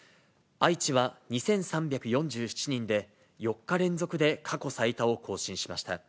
愛知は２３４７人で、４日連続で過去最多を更新しました。